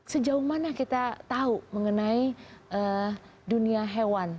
sejauh mana kita tahu mengenai dunia hewan